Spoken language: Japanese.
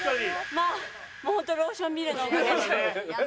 まあもうホントローションミルのおかげで。